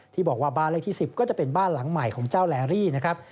ที่บอกว่าบ้านเลขที่๑๐ก็จะเป็นบ้านหลังใหม่ของเจ้าแลรี่นะครับ